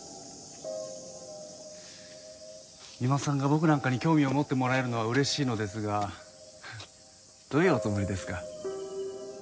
三馬さんが僕なんかに興味を持ってもらえるのは嬉しいのですがどういうおつもりですか？